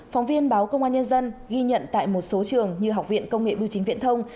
phóng viên báo công an nhân dân ghi nhận tại một số trường như học viện công nghệ bưu chính viễn thông